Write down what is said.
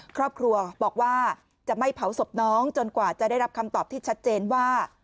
ครอบครัวบอกว่าจะไม่เผาศพน้องจนกว่าจะได้รับคำตอบที่ชัดเจนว่า